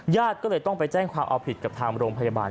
ญาติก็เลยต้องไปแจ้งความเอาผิดกับทางโรงพยาบาล